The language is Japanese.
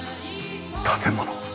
建物。